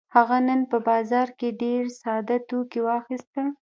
هغه نن په بازار کې ډېر ساده توکي واخيستل.